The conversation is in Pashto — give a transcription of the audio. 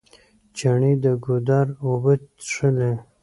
چڼې د ګودر اوبه څښلې.